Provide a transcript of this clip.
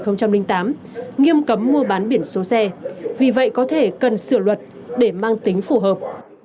năm hai nghìn tám nghiêm cấm mua bán biển số xe vì vậy có thể cần sửa luật để mang tính phù hợp